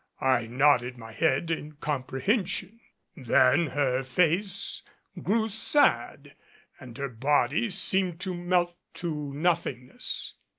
I nodded my head in comprehension. Then her face grew sad and her body seemed to melt to nothingness.